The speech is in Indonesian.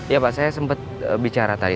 ya pak saya sempat bicara tadi